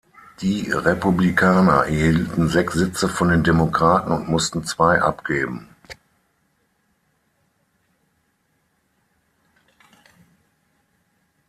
Die Republikaner erhielten sechs Sitze von den Demokraten und mussten zwei abgeben.